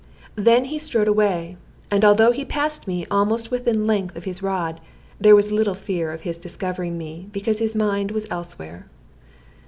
Then he strode away; and although he passed me almost within length of his rod, there was little fear of his discovering me, because his mind was elsewhere.